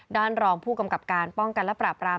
รองผู้กำกับการป้องกันและปราบราม